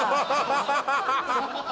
ハハハハ！